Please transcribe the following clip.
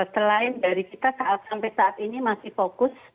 selain dari kita sampai saat ini masih fokus